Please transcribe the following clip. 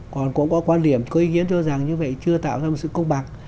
còn cũng có quan điểm có ý kiến cho rằng như vậy chưa tạo ra một sự công bằng